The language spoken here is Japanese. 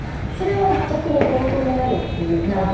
それは逆に勉強になるっていうか。